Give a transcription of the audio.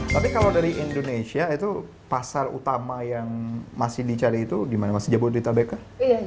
tapi kalau dari indonesia itu pasar utama yang masih dicari itu di mana masih jabodetabek kah